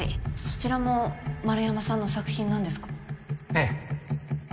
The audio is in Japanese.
そちらも円山さんの作品なんですか？